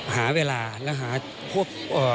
หาเวลาแล้วหาพวก